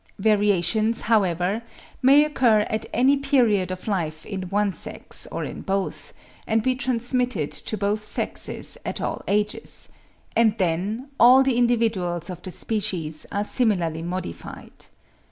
Variations, however, may occur at any period of life in one sex or in both, and be transmitted to both sexes at all ages, and then all the individuals of the species are similarly modified.